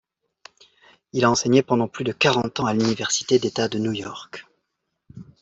Il a enseigné pendant plus de quarante ans à l'université d'État de New York.